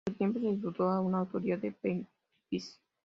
Por un tiempo se dudó de la autoría de Kempis.